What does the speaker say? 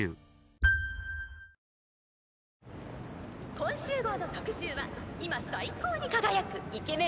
今週号の特集は今最高に輝くイケメン